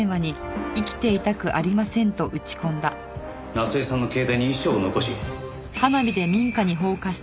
夏恵さんの携帯に遺書を残し。